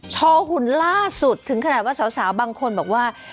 หุ่นล่าสุดถึงขนาดว่าสาวบางคนบอกว่า